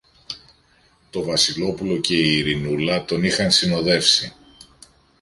Το Βασιλόπουλο και η Ειρηνούλα τον είχαν συνοδεύσει.